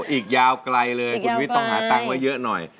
อีกยาวไกลเลยคุณวิทย์ต้องหาตังค์ไว้เยอะหน่อย